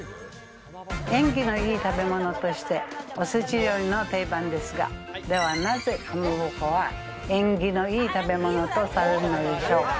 縁起の良い食べ物として、おせち料理の定番ですが、ではなぜ、かまぼこは縁起の良い食べ物とされるのでしょうか？